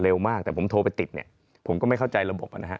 มากแต่ผมโทรไปติดเนี่ยผมก็ไม่เข้าใจระบบนะฮะ